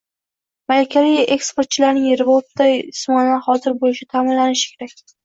Malakali eksportchilarning Yevropada jismonan hozir bo‘lishi ta’minlanishi kerak.